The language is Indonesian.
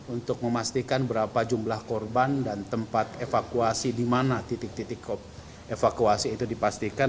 untuk memastikan berapa jumlah korban dan tempat evakuasi di mana titik titik evakuasi itu dipastikan